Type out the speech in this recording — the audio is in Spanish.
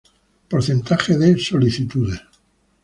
Porcentaje de solicitudes.